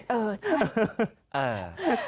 เออใช่